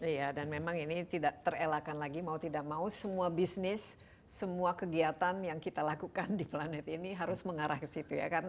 iya dan memang ini tidak terelakkan lagi mau tidak mau semua bisnis semua kegiatan yang kita lakukan di planet ini harus mengarah ke situ ya kan